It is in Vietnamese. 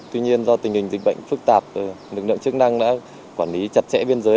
tuy nhiên do tình hình dịch bệnh phức tạp lực lượng chức năng đã quản lý chặt chẽ biên giới